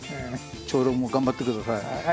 長老も頑張ってください。